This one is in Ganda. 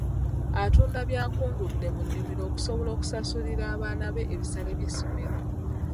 Atunda by'akungudde mu nnimiro okusobola okusasulira abaana be ebisale by'essomero.